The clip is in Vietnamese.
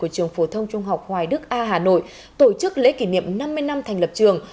của trường phổ thông trung học hoài đức a hà nội tổ chức lễ kỷ niệm năm mươi năm thành lập trường